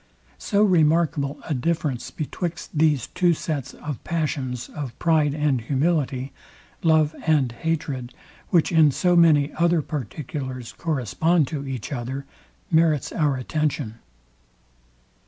So remarkable a difference betwixt these two sets of passions of pride and humility, love and hatred, which in so many other particulars correspond to each other, merits our attention.